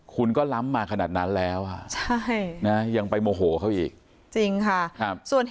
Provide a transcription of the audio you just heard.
คุณก็ล้ำมาขนาดนั้นแล้วยังไปโมโหเขาอีกจริงค่ะ